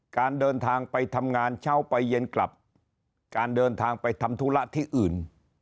การเดินทางไปทำงานเช้าไปเย็นกลับการเดินทางไปทำธุระที่อื่น